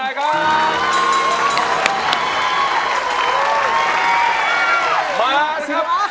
มาแล้วนะครับ